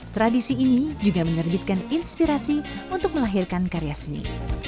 tradisi ini juga menerbitkan inspirasi untuk melahirkan karya seni